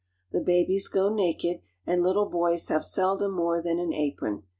The babies go naked, and little boys have sel dom more than an apron.